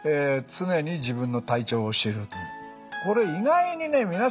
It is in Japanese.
「常に自分の体調を知る」。